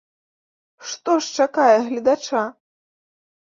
Што ж чакае гледача?